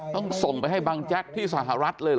ต้องส่งไปให้บังแจ๊กที่สหรัฐเลยเหรอ